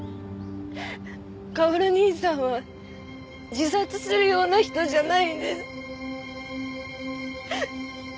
薫兄さんは自殺するような人じゃないんです。